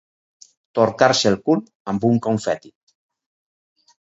Torcar-se el cul amb un confeti.